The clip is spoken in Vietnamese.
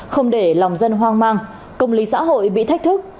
không để lòng dân hoang mang công lý xã hội bị thách thức